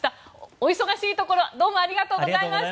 お忙しいところどうもありがとうございました。